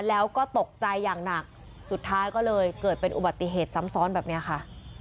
แล้วก็ตกใจอย่างหนักสุดท้ายก็เลยเกิดเป็นอุบัติเหตุซ้ำซ้อนแบบนี้ค่ะ